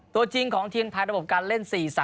ตัวจริงของทีมภายระบบการเล่น๔๓